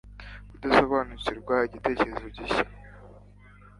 kudasobanukirwa igitekerezo gishya